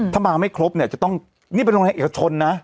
ถ้ามาไม่ครบเนี่ยจะต้องนี่เป็นโรงเรียนเอกชนนะ